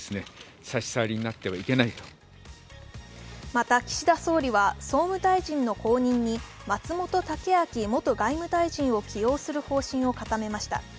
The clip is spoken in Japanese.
また、岸田総理は総務大臣の後任に、松本剛明元外務大臣を起用する方針を固めました。